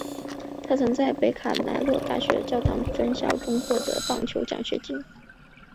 他曾在北卡罗来纳大学教堂山分校中获得棒球奖学金。